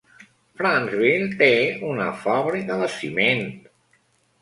Franceville té una fàbrica de ciment.